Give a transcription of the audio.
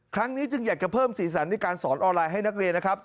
ครั้งนี้จึงอยากจะเพิ่มสีสันในการสอนออนไลน์ให้นักเรียนนะครับ